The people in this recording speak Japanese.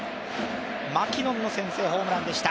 マキノンの先制ホームランでした。